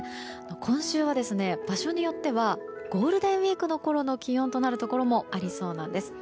今週は場所によってはゴールデンウィークのころの気温となるところもありそうなんです。